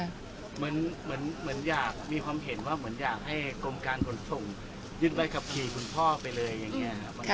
เหมือนอยากมีความเห็นว่าเหมือนอยากให้กรมการขนส่งยึดใบขับขี่คุณพ่อไปเลยอย่างนี้ครับ